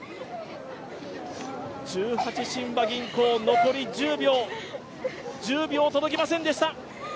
十八親和銀行、残り１０秒、１０秒届きませんでした。